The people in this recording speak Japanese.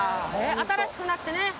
新しくなってね。